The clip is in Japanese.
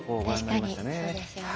確かにそうですよね。